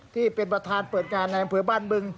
ที่เป็นประธานเปิดงานในอำเภอบ้านบึง